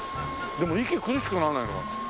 でも息苦しくならないのかな？